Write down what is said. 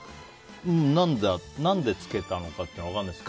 何でつけたのかって分からないです。